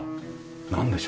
なんでしょうか？